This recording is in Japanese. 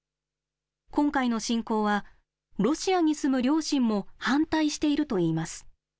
今回の侵攻はロシアに住む両親も反対しているといいます。